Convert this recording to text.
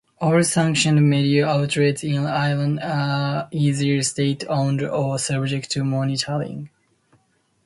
All sanctioned media outlets in Iran are either state-owned or subject to monitoring.